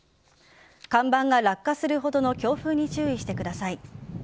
看板が落下するほどの強風に注意してください。